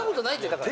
だから。